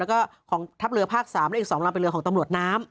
แล้วก็ของทัพเรือภาค๓และอีก๒ลำเป็นเรือของตำรวจน้ำ